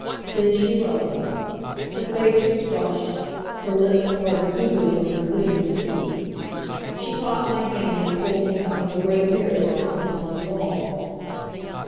Then she rose. Her face was flushed; her lips parted eagerly on her gleaming teeth. She caught my hand and pulled me in front of a great mirror that hung upon the wall.